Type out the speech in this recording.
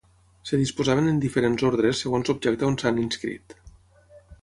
Es disposaven en diferents ordres segons l'objecte on s'han inscrit.